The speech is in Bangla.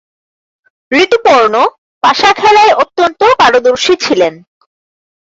ঋতুপর্ণ পাশাখেলায় অত্যন্ত পারদর্শী ছিলেন।